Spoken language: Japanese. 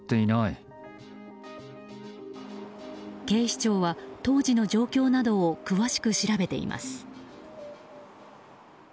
警視庁は当時の状況などを詳しく調べています。